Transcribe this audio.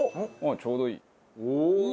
ちょうどいい。